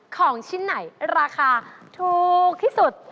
ของชิ้นไหนราคาถูกที่สุด